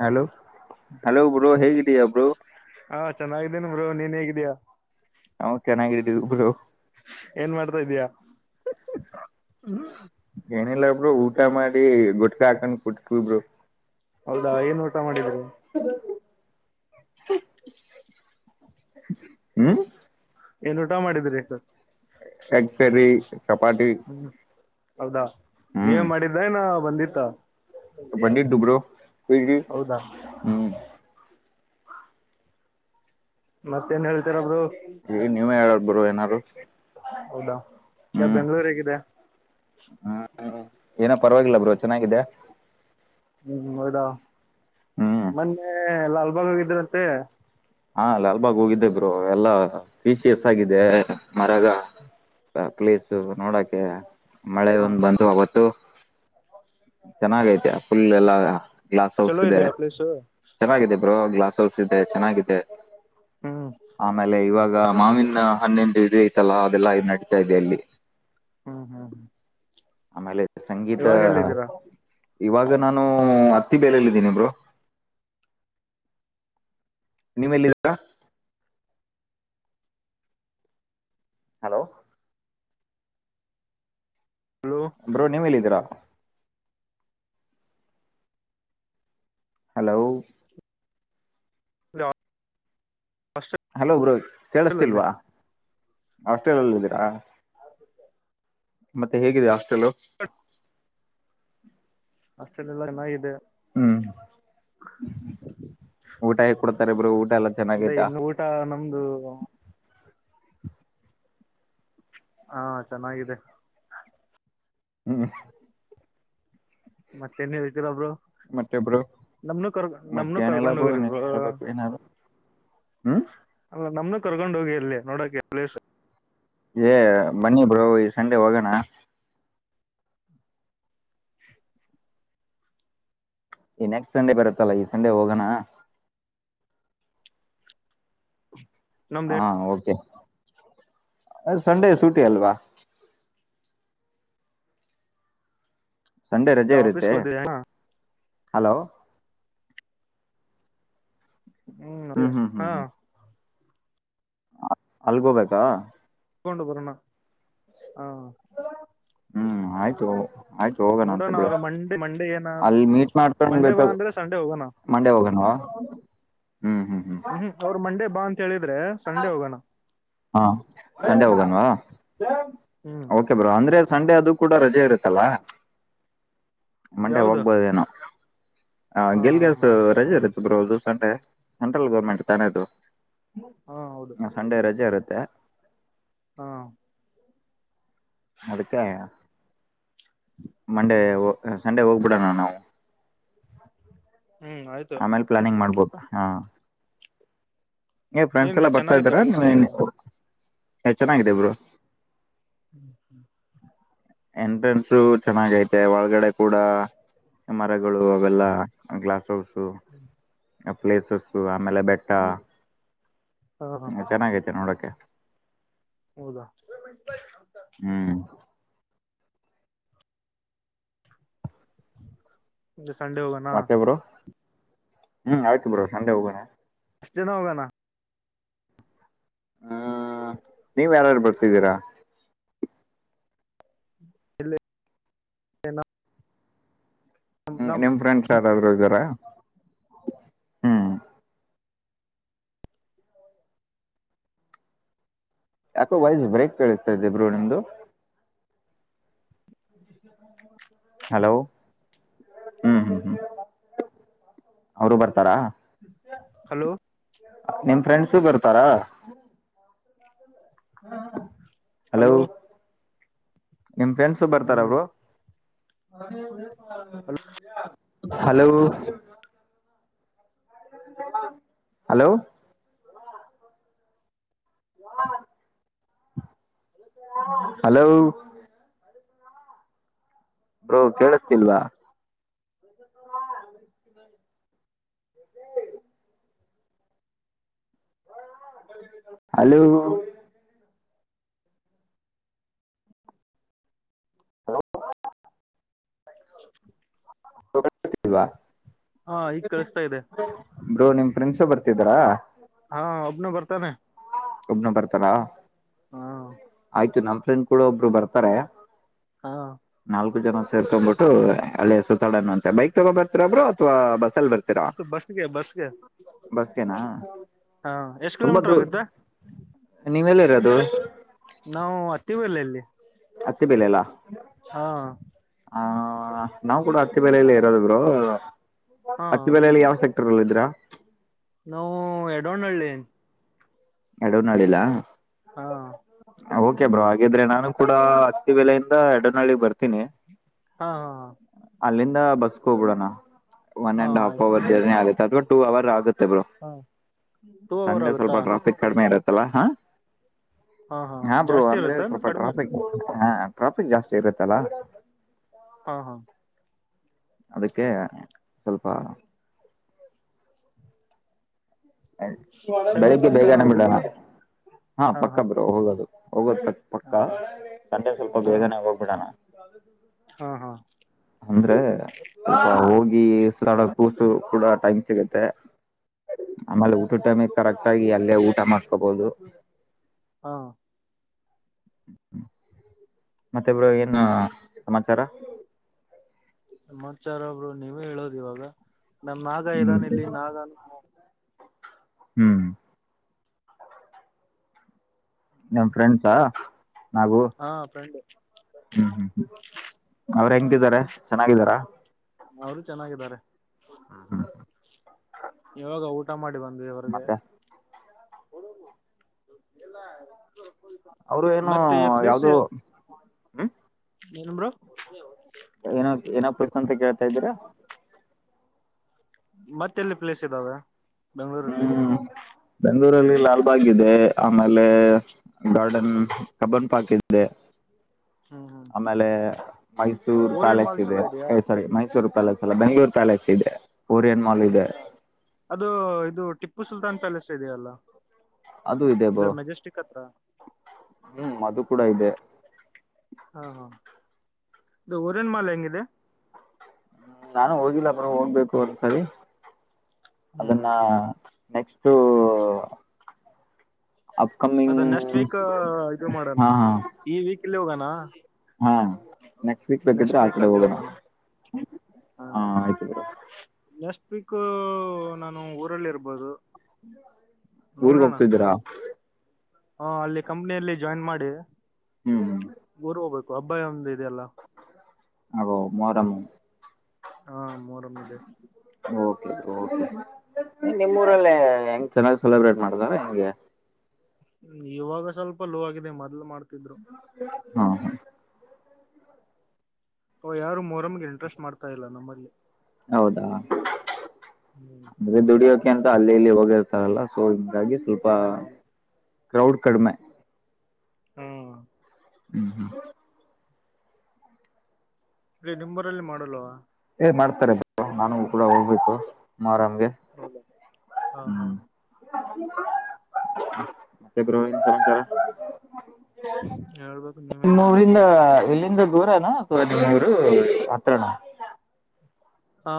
Hello hello ಗುರು ಹೇಗಿ ದಿಯಾ ಬ್ರೋ. ಚೆನ್ನಾಗಿದೆನಿ ಬ್ರೋ ನೀನ್ ಹೇಗಿದೀಯಾ. ನಾವು ಚೆನ್ನಾಗಿದ್ದೇವಿ ಬ್ರೋ. ಏನ್ ಮಾಡ್ತಾಯಿದಿಯಾ? ಏನಿಲ್ಲ ಬ್ರೋ ಊಟ ಮಾಡಿ ಗುಟ್ಕಾ ಹಾಕೊಂಡ್ ಕುಂತೀವಿ ಬ್ರೋ. ಹೌದಾ ಏನ್ ಊಟ ಮಾಡಿದ್ರಿ. ಹ್ಮ ಏನ್ ಊಟ ಮಾಡಿದ್ರಿ ಸ ಎಗ್ ಕರಿ ಚಪಾತಿ ಹೌದಾ ನೀವೇ ಹ್ಮ್ ಮಾಡಿದ್ದ ಏನ ಬಂದಿತ್ತ. ಬಂದಿದ್ದು ಬ್ರೋ ಪಿಜಿ. ಹೌದಾ ಮತ್ತೇಏನ್ ಹೇಳ್ತೀರ ಬ್ರೋ. ಏ ನೀವ ಹೇಳೋದ ಬ್ರೋ ಏನಾರು. ಹೌದಾ ಹ್ಮ್ ಬೆಂಗಳೂರ್ ಹೇಗಿದೆ. ಹ್ಮ್. ಏನೋ ಪರವಾಗಿಲ್ಲ ಬ್ರೋ ಚೆನ್ನಾಗಿದೆ. ಹ್ಮ್ ಹೌದಾ ಹ್ಮ್ ಮೊನ್ನೆ ಲಾಲ್ಬಾಗ್ ಹೋಗಿದ್ದ್ರಿಯಂತೆ. ಹಾ ಲಾಲ್ಬಾಗ್ ಹೋಗಿದ್ದೆ ಬ್ರೋ ಎಲ್ಲ ಪೀಶಿಯಸ್ ಆಗಿದೆ ಮರಗ [inaudible] ನೋಡೋಕೆ. ಮಳೆ ಹ ಒಂದ್ ಬಂದು ಅವತ್ತು ಚೆನ್ನಾಗ ಐತಿ ಫುಲ್ ಎಲ್ಲಾ. ಗ್ಲಾಸ್ ಹೌಸ್ ಚಲೋ ಇದೆ ಇದೆಯಾ ಪ್ಲೇಸು ಚೆನ್ನಾಗಿದೆ ಬ್ರೋ ಗ್ಲಾಸ್ ಹೌಸ್ ಇದೆ ಚೆನ್ನಾಗಿದೆ. ಹ್ಮ್ ಆಮೇಲೆ ಇವಾಗ ಈಗ ಮಾವಿನ ಹಣ್ಣಿಂದ ಇದು ಐತಲ್ಲಾ ಅದೆಲ್ಲಾ ನಡೀತಾ ಇದೆ ಅಲ್ಲಿ. ಹ್ಮ್ ಹ್ಮ್. ಆಮೇಲೆ ಇವಾಗ ಸಂಗೀತ- ಎಲ್ಲಿದ್ದೀರಾ ಇವಾಗ ನಾನು ಹತ್ತಿಬೆಲ ಅಲ್ಲಿ ಇದೇನಿ ಬ್ರೋ. ನಿಮ್ಮ ಎಲ್ಲಿದ್ದೀರಾ. ಹಲೋ. ಹಲೋ ಬ್ರೋ ನೀವ ಎಲ್ಲಿದಿರ. ಹಲೋ. [unintelligible] ಹಲೋ ಬ್ರೋ ಹಾಸ್ಟೆಲ್ ಅಲ್ಲಿ ಕೇಳಿಸ್ತಿಲ್ವಾ ಹಾಸ್ಟೆಲಲ್ಲ ಇದ್ದೀರಾ. ಮತ್ತೆ ಹೇಗಿದೆ ಹಾಸ್ಟೆಲು. ಹಾಸ್ಟೆಲ್ ಎಲ್ಲಾ ಚೆನ್ನಾಗಿದೆ. ಹ್ಮ್ ಊಟ ಹೇಗೆ ಕೊಡ್ತಾರೆ ಬ್ರೋ ಊಟ ಎಲ್ಲ ಇದ ಚೆನ್ನಾಗೈತಾ ಇನ್ನು ಊಟ ನಮ್ದು ಹಾ ಚೆನ್ನಾಗಿದೆ. ಹ್ಮ್ ಮತ್ತೇನ್ ಹೇಳ್ತೀರಾ ಬ್ರೋ. ಮತ್ತೆ ಬ್ರೋ ನಮ್ನು ಕರ್ ಮತ್ತೇ ನಮ್ನು ಏನಲ್ಲ ಕರ್ಕೊಂಡ್ ಬ್ರೋ ಹೋಗ್ರಿ ನೀನೇ ಹೇಳ್ಬೇಕು ಏನಾದರು ಹ್ಮ್. ಅಲ್ಲ ನಮ್ನು ಕರ್ಕೊಂಡ್ ಹೋಗಿ ಅಲ್ಲಿ ನೋಡಕ್ಕೆ ಪ್ಲೇಸ್. ಏ ಬನ್ನಿ ಬ್ರೋ ಈ ಸಂಡೆ ಹೋಗೋಣ. ಈ ನೆಕ್ಸ್ಟ್ ಸಂಡೆ ಬರುತ್ತಲ್ಲ ಈ ಸಂಡೆ ಹೋಗೋಣ. [unintelligible] ಹಾ ಓಕೆ ಅ ಸಂಡೆ ಸೂಟಿ ಅಲ್ವಾ. ಸಂಡೆ ರಜೆ ಇರುತ್ತೆ ಆಫೀಸ್ಗೆ ಹೋದ ಹಲೋ. ಹ್ಮ್ ಅದೇ ಹ್ಞೂ ಹಾ. ಅಲ್ಗೋಬೇಕಾ. ಕೊಂಡು ಬರೋಣ. ಹ ಹ್ಮ್ ಆಯ್ತು. ಆಯ್ತು ಹೋಗೋಣ ನೋಡೋಣ ಅಂತಬಿಡ್ ಅವ್ರು ಮಂಡೆ ಮಂಡೆ ಏನ ಅಲ್ಲಿ ಮೀಟ್ ಮಾಡ್ಕೊಂಡ್ ಮಂಡೆ ಬಾ ಬತದ. ಅಂದ್ರೆ ಸಂಡೆ ಹೋಗೋಣ ಮಂಡೇ ಹೋಗಣವಾ. ಹ್ಮ್ ಅವರು ಮಂಡೇ ಬಾ ಅಂತ ಹೇಳಿದ್ರೆ ಸಂಡೇ ಹೋಗೋಣ. ಹಾ ಸಂಡೆ ಹೋಗಣವಾ ಹ್ಮ್ ಬ್ರೋ ಅಂದ್ರೆ. ಸಂಡೆ ಅದು ಕೂಡ ರಜೆ ಇರುತ್ತಲ್ಲ ಮಂಡೆ ಯಾವ್ದು ಹೋಗ್ಬೋದೇನೋ. ಹ ಹಾ ಹಾ ಗೆಲ್ಗೆಸ ಹಾ ರಜೆ ಇರುತ್ತ ಬ್ರೋ ಅದು ಸಂಡೆ ಸೆಂಟ್ರಲ್ ಗೌರ್ಮೆಂಟ್ ತಾನೇದು. ಹಾ ಹೌದು. ಏ. ಹಾ. ಅದಕ್ಕೆ ಮಂಡೇ ಹ್ಮ್ ಸಂಡೇ ಹೋಗ್ಬಿಡಣ ನಾವು. ಹ್ಮ್ ಆಯ್ತು ಆಮೇಲೆ ಪ್ಲಾನಿಂಗ್ ಮಾಡ್ಬೋದು ಹಾ. ಏ ಫ್ರೆಂಡ್ಸ್ ಎಲ್ಲ ಏನಿದೆ ಬರ್ತಾ ಚೆನ್ನಾಗಿದೆ ಇದ್ದಾರ ಪ್ಲೇಸ್ ಅದು ಏ ಚೆನ್ನಾಗಿದೆ ಬ್ರೋ. ಹ್ಮ್ ಹ್ಮ್. ಎಂಟ್ರೆನ್ಸು ಚೆನ್ನಾಗ ಐತೆ ಒಳಗಡೆ ಕೂಡ. ಮರಗಳು ಅವೆಲ್ಲಾ ಗ್ಲಾಸ್ ಹೌ. ಹ್ಮ್. ಪ್ಲೇಸಸ್ ಆಮೇಲೆ ಬೆಟ್ಟ ಹಾ ಚೆನ್ನಾಗೈತೆ ನೋಡಕ. ಹೌದ. ಹ್ಞೂ ಸಂಡೆ ಹೋಗಣ. ಹ್ಮ್ ಆಯ್ತು ಬ್ರೋ ಸಂಡೆ ಹೋಗೋಣ. ಎಷ್ಟ ಜನ ಹೋಗಣ. ನೀವ್ ಯಾರಾರು ಬರ್ತಿದ್ದೀರಾ. ಇಲ್ಲ. [inaudible] ಹ್ಮ ನಿಮ್ ಫ್ರೆಂಡ್ಸ್ ಯಾರಾದ್ರರು ಇದ್ದಾರ ಹ್ಮ್. ಯಾಕೋ ವೈಸ್ ಬ್ರೇಕ್ ಕೇಳಿಸ್ತದೆ ಬ್ರೋ ನಿಮ್ದು. ಹಲೋ ಹ್ಮ್ ಹ್ಮ್ ಹ್ಮ್. ಅವರು ಬರ್ತಾರಾ ಹಲೋ ನಿಮ್ ಫ್ರೆಂಡ್ಸು ಬರ್ತಾರಾ ಹಾ ಹಲೋ ನಿಮ್ ಫ್ರೆಂಡ್ಸು ಬರ್ತಾರ ಅವರು ಹಲೋ. ಹಲೋ. ಹ. ಹಲೋ. ಬ್ರೋ ಕೇಳಿಸತಿಲ್ವಾ. ಏ. ಹಲೋ. ಹಲೋ. ಹ. [inaudible] ಲ್ವಾ. ಹಾ ಈಗ ಕಳಿಸ್ತಾ ಇದೆ [inaudible] ಬ್ರೋ ನಿಮ ಪ್ರಿನ್ಸಿ ಬರ್ತಿದರಾ. ತನ್ನ ಒಬ್ನು ಬರ್ತಾರಾ ಆಯ್ತು ನಮ್ ಫ್ರೆಂಡ್ ಕೂಡ ಒಬ್ರು ಬರ್ತಾರೆ ಹಾ ನಾಲ್ಕು ಜನ ಸೇರ್ಕೊಂಡ್ಬಿಟ್ಟು ಅಳೆ ಸುತ್ತಾಡನ್ನು ಅಂತೆ ಬೈಕ್ ತಗೊ ಬರ್ತರಬ್ರು ಅಥವಾ ಬಸ್ ಅ ಬಸ್ಗೆ ಬಸ್ಗೆ ಬಸ್ಗೆನಾ ಹಾ ಎಷ್ಟ ತುಂಬಾ ಕಿಲೋಮೀಟರ್ ದೂರ ಆಗುತ್ತಾ ನೀವೆಲ್ಲ ಇರೋದು ನಾವು ಹತ್ತಿ ಬಲ್ಲಲ್ಲಿ ಹತ್ತೆ ಬೆಲೆ ಎಲ್ಲ ಆ ನಾವು ಕೂಡ ಅತ್ತಿ ಬೆಲಲಿ ಇರೋದಬ್ರು ಹಾ ಅತ್ತಿ ಬೆಲಲಿ ಯಾವ ಸೆಕ್ಟರ್ ಅಲ್ಲ ಇದ್ರ ನಾವು ಎಡೋ್ಣಹಳ್ಳಿ ಎಡವ ನಡಿಿಲ್ಲ ಹಾ ಓಕೆ ಬ್ರೋ ಹಾಗಿದ್ರೆ ನಾನು ಕೂಡ ಹತ್ತಿ ವಲೆಯಿಂದ ಎರಡನಳ್ಳಿ ಬರ್ತೀನಿ ಹಾ ಹಾ ಬಸ್ ಹೋಗಬಿಡೋಣ ಒನ್ ಹಾ ಅಂಡ್ ಹಾಫ್ ಆಯ್ತು ಅವರ್ ಬ್ರೋ ಜರ್ನಿ ಆಗುತ್ತೆ ಅಥವಾ ಟೂ ಅವರ್ ಆಗುತ್ತ ಹಾ ಟೂ ಅವರ್ ಸಂಡೆ ಸ್ವಲ್ಪ ಆಗುತ್ತಾ ಟ್ರಾಫಿಕ್ ಕಡಿಮೆ ಇರತ್ತಲ್ಲ ಹಾ ಹಾ ಬ್ರೂ ಜಾಸ್ತಿ ಅಂದ್ರೆ ಇರುತ್ತಾ ಇನ್ನು ಸ್ವಲ್ಪ ಕಡಿಮೆ ಇರುತ್ತ ಟ್ರಾಫಿಕ್ ಹ ಟ್ರಾಫಿಕ್ ಜಾಸ್ತಿ ಇರುತ್ತಲ್ಲಾ ಹಾ ಹಾ ಅದಕ್ಕೆ ಸ್ವಲ್ಪ ಸಂಡೆ ಬೆಳಿಗ್ಗೆ ಪಕ್ಕದ ಬೇಗನೆ ಹೋಗುದು ಬಿಡೋಣ ಹಾ ಪಕ್ಕ ಬರು ಹೋಗೋದು ಹೋಗೋದ್ ಪಕ್ಕ ಹಾ ಪಕ್ಕ ತಟೆ ಸ್ವಲ್ಪ ಬೇಗನೆ ಹಾ ಹೋಗ್ಬಿಡಣ ಹಾ ಅಂದ್ರೆ ಹೋಗಿ ಡ ಕೂಸು ಕೂಡ ಟೈಮ್ ಸಿಗುತ್ತೆ ಆಮೇಲೆ ಊಟ ಟೈಮಿ ಕರೆಕ್ಟ್ ಆಗಿ ಅಲ್ಲೇ ಊಟ ಮಾಡ್ಕೋಬಹುದು ಹಾ ಮತ್ತೆ ಇಬ್ರು ಏನ್ ಸಮಾಚಾರ ನಮ್ಮಚಾರ ಒಬ್ರು ನೀವೇ ಹೇಳೋದು ಇವಾಗ ನಮ್ಮ ನಾಗ ಹ್ಮ್ ಇದಾನ ಇಲ್ಲಿ ನಾಗನು ಹ್ಮ್ ನಮ್ ಫ್ರೆಂಡ್ಸಾ ನಾಗು ಹಾ ಫ್ರೆಂಡ್ ಹ್ಮ್ ಹ್ಮ್ ಹ್ಮ್ ಅವ್ರ ಹೆಂಗಂತಿದ್ದಾರೆ ಚೆನ್ನಾಗಿದ್ದಾರ ಅವರು ಚೆನ್ನಾಗಿದ್ದಾರೆ ಹಾ ಹ ಯವಾಗ ಊಟ ಮಾಡಿ ಬಂದ್ವಿ ಇವರ್ಗೆ ಮತ್ತೆ ಬಲ್ಲ ಅವರು ಏನು ಮತ್ತೆ ಪ್ಲೇಸ್ ಯಾವ್ದೋ ಹ್ಮ್ ಏನು ನಬ್ರೊ ಏನೋ ಏನೋ ಪ್ಲೇಸ್ ಅಂತ ಕೇಳ್ತಾ ಇದ್ದೀರಾ ಮತ್ತೆಲ್ಲಿ ಪ್ಲೇಸ್ ಇದ್ದಾವೆ ಬೆಂಗ್ಗಳೂರಲ್ಲಿ ಬೆಂಳೂರಲ್ಲಿ ಲಾಲ್ಬಾಗ್ ಇದೆ ಆಮೇಲೆ ಗಾರ್ಡನ್ ಕಬನ್ ಪಾಕ್ ಇದೆೆ ಹ್ಮ್ ಹ್ಮ್ ಆಮೇಲೆ ಮೈಸೂರ್ ಓರಿಯಂಟ್ ಪ್ಯಾಲೇಸ್ ಮಾಲ್ ಇದೆ ಚಲೋ ಇದೆಯಾ ಸಾರಿ ಮೈಸೂರು ಲಲ ಬ ಬೆಂ ಪ ತಾಲೇಸ್ ಇದೆ ಓರಿಯನ್ ಮಾಲ್ ಇದೆ ಅದು ಇದು ಟಿಪ್ಪು ಸುಲ್ತಾನ್ ಪ್ಯಾಲೇಸ್ ಇದೆಯಲ್ಲ ಅದು ಇದೆ ಬೋ ಇದು ಮೆಜೆಸ್ಟಿಕ್ ಹತ್ರ ಹ್ಮ್ ಅದು ಕೂಡ ಇದೆ ಹಾ ಹಾ ಇದು ಊರನ್ ಮಾಲ್ ಹೆಂಗಿದೆ ನಾನು ಹೋಗಿಲ್ಲ ಪರ ಹೋಗ್ಬೇಕು ಒಂದ್ಸರಿ ಹ್ಮ್ ಅದನ್ನ ಹ್ಮ್ ನೆಕ್ಸ್ಟ್ ಅಪ್ಕಮಿಂಗ್ ಅದ ನೆಕ್ಸ್ಟ್ ವೀಕ್ ಇ ಮಾಡೋಣ ಹಾ ಹಾ ಈ ವೀಕ್ ಇಲ್ಲಿ ಹೋಗಣ ಹಾ ನೆಕ್ಸ್ಟ್ ವೀಕ್ ಬೇಕಿದ್ರೆ ಆ ಕಡೆ ಹೋಗೋಣ ಹಾ ಆಯ್ತು ಬ್ರೋ ಪಕ್ ನಾನು ಊರಲ್ಲಿ ಇರ್ಬೋದು ಊರ್ಗ್ ಹೋಗ್ತಿದ್ದೀರಾ ಹಾ ಅಲ್ಲಿ ಕಂಪ್ನಿಯಲ್ಲಿ ಜಾಯಿನ್ ಮಾಡಿ ಹ್ಮ್ ಗೋರ್ ಹೋಗ್ಬೇಕು ಅಬ್ಬಾಯ ಒಂದ ಹಲೋ ಮಾಡಮ ಹಾ ಮೋರಮ ಯಿದೆ ಓಕೆ ಕೆ ನಿಮ್ಮ್ ಊರಲ್ಲ ಹೆಂಗ್ ಚೆನ್ನಾಗ್ ಸೆಲೆಬ್ರೇಟ್ ಮಾಡತಾರ ಹೆಂಗೆ ್ಮ ಇವಾಗ ಸ್ವಲ್ಪ ಲೋ ಆಗಿದೆ ಮೊದ್ ಮಾಡ್ ಹಾ ಹಾ ಓ ಯಾರು ಮೊರಮ್ಗೆ ಇಂಟ್ರೆಸ್ಟ್ ಮಾಡ್ತಾ ಇಲ್ಲ ನಮ್ಮಲ್ಲಿ ಹೌದಾ ಹ್ಮ್ ಅಂದ್ರೆ ದುಡಿಯೋಕೆ ಅಂತ ಅಲ್ಲಿ ಇಲ್ಲಿ ಹೋಗಿರ್ತಾರಲ್ಲ ಸೋ ಇ ಹಾಗ ಸ್ವಲ್ಪ ಹ ಕ್ರೌಡ್ ಕಡಿಮೆ ಹ್ಮ್ ಹ್ಮ್ ಹ್ಮ್ ಅ ನಿಂಬರಲ್ಲಿ ಮಾಡಲ್ವ ಮಾಡ್ತಾರೆ ನಾನು ಕೂಡ ಹೋಗ್ಬೇಕು ಆರಾಮ ಹೌದಾ ಹಾ ಹಾ ಮತ್ತೆ ಬ್ರೋ ಎನ್ ಸಮಾಚಾರ ಹೇಳ್ಬೇಕ್ ನೀವೇ ನಿಮ್ಮ ಊರಿಂದ ಇಲ್ಲಿಂದ ದೂರನ ಸೂರದರು ಹತ್ರನ ಹಾ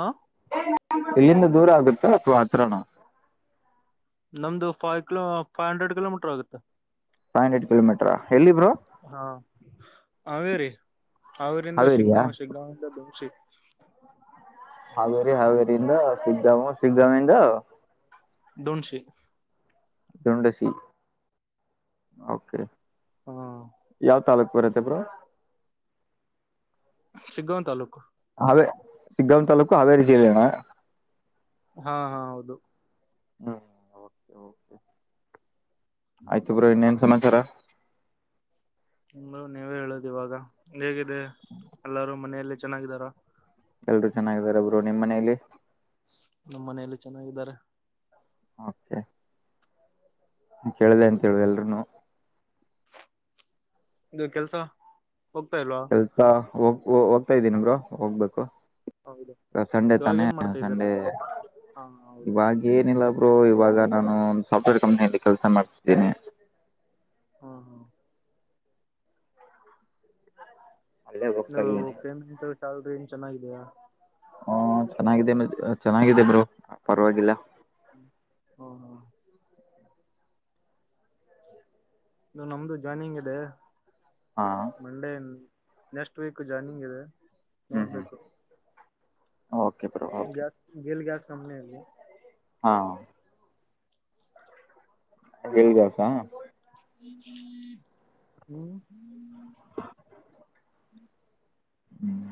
ಇಲ್ಲಿಂದ ದೂರ ಆಗುತ್ತಾ ಅಥವಾ ಹತ್ರನ ನಮ್ದು five kilo five hundred kilometre ಆಗುತ್ತೆ ಫವ ಹಂಡ್ರೆಡ್ ಕಿಲೋಮೀಟರಾ ಹಾ ಆವೆ ರಿ ಅವರಿಂದ ಹಾವೇರಿಯಾ ಸಿಿಗ್ಗಾವ್ ಶ ಸಿಗ್ಗಾಂವಿಂದ ದೋಸಿ ಿಂದ ಸಿಗ್ಗಾಮ ಸಿಗ್ಗಾಮಿಂದ ದೊಂಟ್ ಸೀ ೊಂಡಸಿ ಒಕೆ ಹಾ ಯಾವ ತಾಲೂಕ್ ಬರದೆ ಬ್ರೋ ಸಿಗ್ಗವನ ತಲ್ಲೂಕು ಹೇ ಸಕ್ಕಾಮ್ ತಾಲೂಕ ಹಾವೇರಿ ಜಿಲ್ಲೆಯಣ ಹಾ ಹಾ ಹೌದು ಹ್ಮ ಆಯ್ತು ಬ್ರೋ ಇನ್ನೇನ್ ಸಮಾಚಾರ ಇಂದರು ನೀವೇ ಹೇಳುದು ಇವಾಗ ಹೇಗಿದೆ ಎಲ್ಲಾರೂ ಮನೆಯಲ್ಲಿ ಚೆನ್ನಾಗಿದ್ದಾರ ಎಲ್ರು ಚೆನ್ನಾಗಾರ ಒಬ್ರು ನಿಮಮ್ಮ ಮನೇಲಿ ನಮ್ಮ ಮನೆಯಲ್ಲಿ ಚೆನ್ನಾಗಿದ್ದಾರೆ ಮತೆ ಕೇಳಿದೆ ಅಂತ ಹೇಳುದಲ್ರುೂನು ಇ ಕೆಲ್ಸ ಹೋಗ್ತಾ ಇಲ್ವಾ ಹೋಗ ಹೋಗ್ತಾ ಇದ್ದೀ ಬ್ರೊ ಹೋಗ್ಬೇಕು ಹೌದು ಸಂಡೆ ಇವಾಗ ತಾನೇ ಏನ್ ಮಾಡ್ತಾ ಇದ್ದೀರಾ ಸಂಡೇ ಹಾ ಹೌದಾ ಇವಾಗ ಏನಿಲ್ಲ ಒಬ್ರು ಇವಾಗ ನಾನು ಒ ಸಾಫ್ಟ್ವೇರ್ ಕಂಪ್ನಿಯಲ್ಲಿ ಕೆಲಸ ಮಾಡ್ತಿದ್ದೇನೆ ಹಾ ಹಾ ಅಲ್ಲೇ ನ ಹೋಗ್ತಾ ಇದ್ದೀನಿ ಪ್ರೇಮಿಂತ ಸ್ಯಾಲ್ರಿ ಏನ್ ಚೆನ್ನಾಗಿದೆಯಾ ಹ ಚೆನ್ನಾಗಿದೆ ಚೆನ್ನಾಗಿದೆ ಬ್ರೋ ಪರವಾಗಿಲ್ಲ ಹ್ಮ ಹಾ ಇದು ನಮ್ದು ಜಾಯ್ನಿಂಗ್ ಇದೆ ಹಾ ಮಂಡೇ ನೆಕ್ಸ್ಟ್ ವೀಕ್ ಜಾಯಿನಿಂಗ್ ಇದೆ ನೋಡ್ಬೇಕು ಓ ಗ್ಯಾಸ್ ಗಲ್ ಗ್ಯಾಸ್ ಕಂಪನ ಅಲ್ಲಿ ಹಾ ಲ್ ದಸ ಹ್ಮ್ ಹ್ಮ್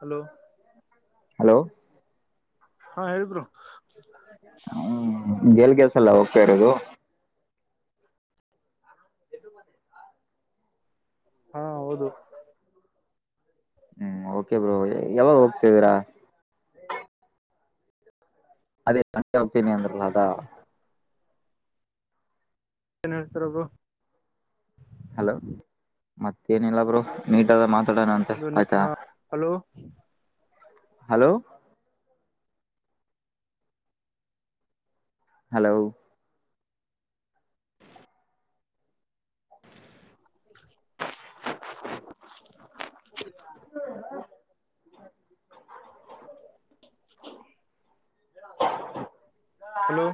ಹಲೋ ಹಲೋ ಹಾ ಹೇಳಿದರು ಹ್ಮ್ ಗೆಲ್ ಕೆಲ್ಸಲ್ಲ ಹೋಗ್ತಾ ಇರೋದು ಎ ಬ ಹಾ ಹೌದು ಹ್ಮ್ ಓಕೆ ಬ್ರ ಯಾವಾಗ ಹೋಗ್ತಿದೀರಾ ಅದೇ ಸೆ ಒಪೀನಿಯನ್ಂದಲದಾ ಏನ್ ಹೇಳ್ತಾರಬರು ಮತ್ತೇನಿಲ್ಲಬ್ರು ನೀಟ್ಾದ ಮಾತಾಡೋಣ ಅಂತ ಅದು ಆಯ್ತಾ ಹಾ ಹಲೋ ಹಲೋ ಹಲೋ ಹಮ್ ಹ ಹ ಹೇಳ ಹಲೋ